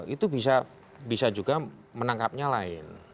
itu bisa juga menangkapnya lain